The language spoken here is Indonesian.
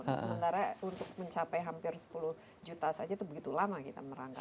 sementara untuk mencapai hampir sepuluh juta saja itu begitu lama kita merangkak